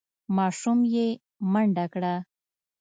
ماشوم یې منډه کړه.